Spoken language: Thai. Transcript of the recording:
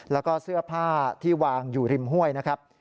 แล้วก็เสื้อผ้าที่วางอยู่ริมห้วยนะครับ